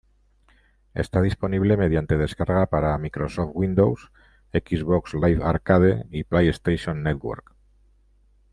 Está disponible mediante descarga para Microsoft Windows, Xbox Live Arcade y PlayStation Network.